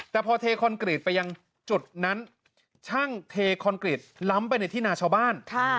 แต่พอเทคอนกรีตไปยังจุดนั้นช่างเทคอนกรีตล้ำไปในที่นาชาวบ้าน